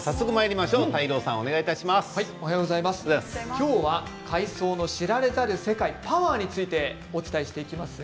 今日は海藻の知られざる世界パワーについてお伝えします。